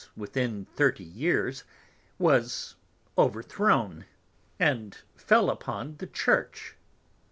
_ within thirty Years, was overthrown, and fell upon the Church.